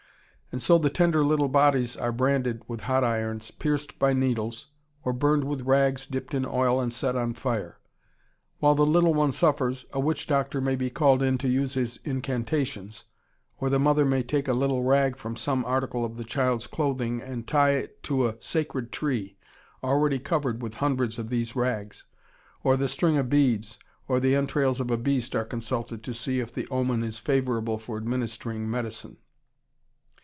And so the tender little bodies are branded with hot irons, pierced by needles, or burned with rags dipped in oil and set on fire. While the little one suffers, a witch doctor may be called in to use his incantations, or the mother may take a little rag from some article of the child's clothing and tie it to a sacred tree already covered with hundreds of these rags, or the string of beads or the entrails of a beast are consulted to see if the omen is favorable for administering medicine.